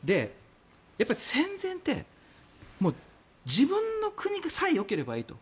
やっぱり戦前って自分の国さえよければいいと。